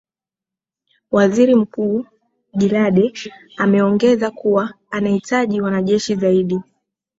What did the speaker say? waziri mkuu jilade ameongeza kuwa wanahitaji wanajeshi zaidi